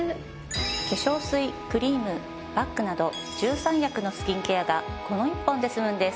化粧水クリームパックなど１３役のスキンケアがこの１本で済むんです。